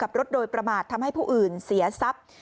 ขับรถโดยประมาททำให้ผู้อื่นเสียทรัพย์